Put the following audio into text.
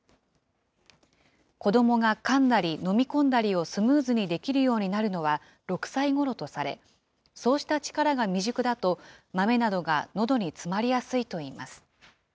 子どもがかんだり飲み込んだりをスムーズにできるようになるのは６歳ごろとされ、そうした力が未熟だと、豆などがのどに詰まりやすいといいます。